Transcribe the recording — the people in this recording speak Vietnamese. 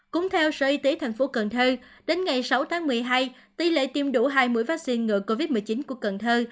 cũng theo sở y tế thành phố cần thơ đến ngày sáu tháng một mươi hai tỷ lệ tiêm đủ hai mươi vaccine ngừa covid một mươi chín của cần thơ